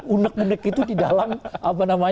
unek unek itu di dalam forum internal ini